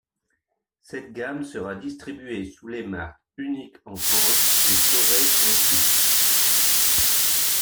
Cette gamme sera distribuée sous les marques Unic en France et Saurer en Suisse.